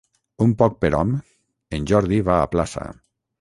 Un poc per hom, en Jordi va a plaça.